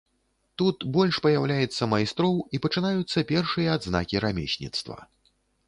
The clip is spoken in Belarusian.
Тут больш паяўляецца майстроў і пачынаюцца першыя адзнакі рамесніцтва.